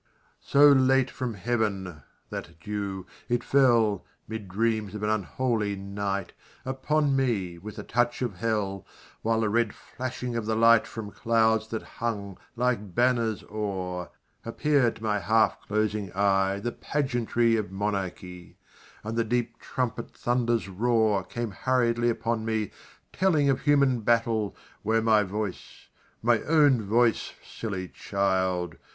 So late from Heaven that dew it fell (Mid dreams of an unholy night) Upon me with the touch of Hell, While the red flashing of the light From clouds that hung, like banners, o'er, Appeared to my half closing eye The pageantry of monarchy, And the deep trumpet thunder's roar Came hurriedly upon me, telling Of human battle, where my voice, My own voice, silly child!